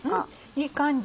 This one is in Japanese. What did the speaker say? いい感じ。